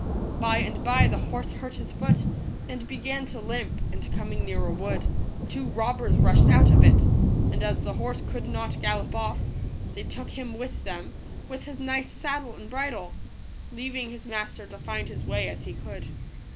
By and by the horse hurt his foot, and began to limp ; and, coming near a wood, two robbers rushed out of it ; and as the horse could not gallop off, they took him with them, with his nice saddle and bridle, leaving his master to find his way as he could.